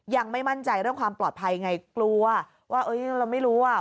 ยังไม่มั่นใจเรื่องความปลอดภัยไงกลัวว่าเอ้ยเราไม่รู้อ่ะ